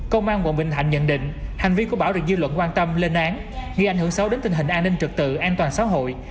công an quận bình thạnh nhận định hành vi của bảo được dư luận quan tâm lên án ghi ảnh hưởng xấu đến tình hình an ninh trực tự an toàn xã hội